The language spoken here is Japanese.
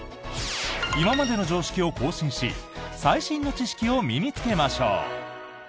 今までの常識を更新し最新の知識を身につけましょう。